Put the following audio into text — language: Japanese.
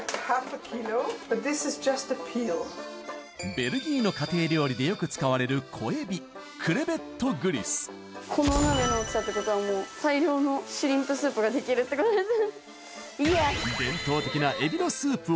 ベルギーの家庭料理でよく使われる小エビこの鍋の大きさってことはもう大量のシュリンプスープができるってことです。